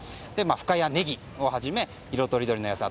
深谷ねぎをはじめ色とりどりの野菜。